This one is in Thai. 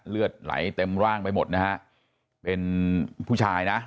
เลือดไหลเต็มร่างไปหมดนะฮะเป็นผู้ชายนะ